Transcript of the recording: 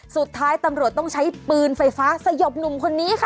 สุดท้ายตำรวจต้องใช้ปืนไฟฟ้าสยบหนุ่มคนนี้ค่ะ